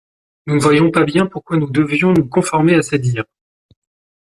Nous ne voyions pas bien pourquoi nous devions nous conformer à ses dires.